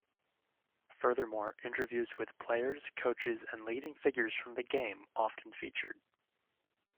Furthermore, interviews with players, coaches and leading figures from the game often featured.